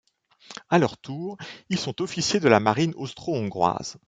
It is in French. À leur tour, ils sont officiers de la marine austro-hongroise.